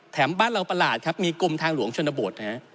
บ้านเราประหลาดครับมีกรมทางหลวงชนบทนะฮะ